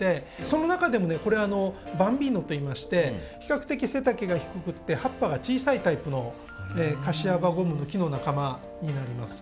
その中でもねこれあの「バンビーノ」といいまして比較的背丈が低くて葉っぱが小さいタイプのカシワバゴムノキの仲間になります。